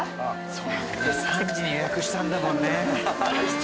そうだよね３時に予約したんだもんね。